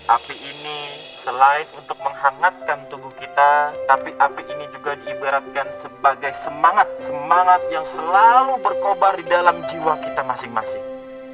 api ini selain untuk menghangatkan tubuh kita tapi api ini juga diibaratkan sebagai semangat semangat yang selalu berkobar di dalam jiwa kita masing masing